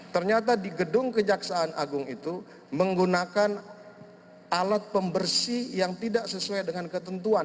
ternyata di gedung kejaksaan agung itu menggunakan alat pembersih yang tidak sesuai dengan ketentuan